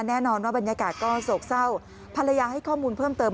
แน่นอนว่าบรรยากาศก็โศกเศร้าภรรยาให้ข้อมูลเพิ่มเติม